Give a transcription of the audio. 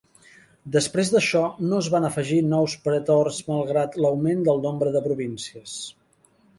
Després d'això no es van afegir nous pretors malgrat l'augment del nombre de províncies.